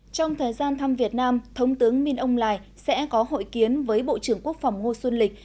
trong thời gian thăm việt nam thống tướng minh âu lài sẽ có hội kiến với bộ trưởng quốc phòng ngô xuân lịch